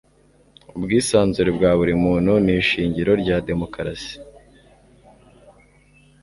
ubwisanzure bwa buri muntu ni ishingiro rya demokarasi